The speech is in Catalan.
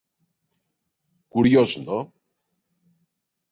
Curiós, no?